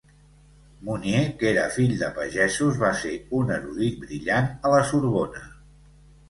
Mounier, que era fill de pagesos, va ser un erudit brillant a la Sorbona.